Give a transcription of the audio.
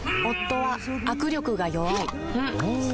夫は握力が弱い